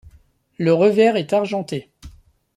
Le revers est argenté.